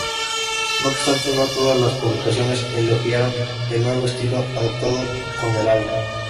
No obstante, no todas las publicaciones elogiaron el nuevo estilo adoptado con el álbum.